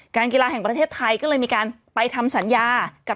กีฬาแห่งประเทศไทยก็เลยมีการไปทำสัญญากับ